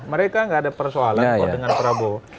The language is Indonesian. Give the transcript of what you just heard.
mereka nggak ada persoalan kok dengan prabowo